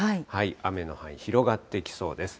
雨の範囲、広がってきそうです。